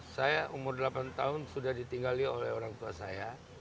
saya umur delapan tahun sudah ditinggali oleh orang tua saya